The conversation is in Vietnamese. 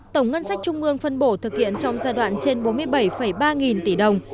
tổng ngân sách trung ương phân bổ thực hiện trong giai đoạn trên bốn mươi bảy ba nghìn tỷ đồng